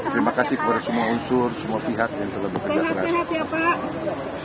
terima kasih kepada semua unsur semua pihak yang tetap bekerja serat